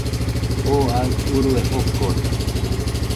Oo aɨ urue jokode